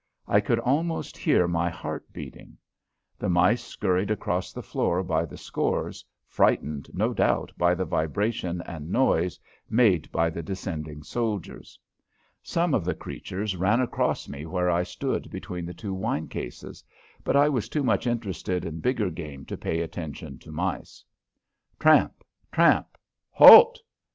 I could almost hear my heart beating. The mice scurried across the floor by the scores, frightened, no doubt, by the vibration and noise made by the descending soldiers. Some of the creatures ran across me where I stood between the two wine cases, but I was too much interested in bigger game to pay attention to mice. Tramp! Tramp! "Halt!"